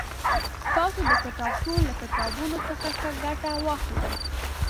تاسو د کتابتون له کتابونو څخه ښه ګټه واخلئ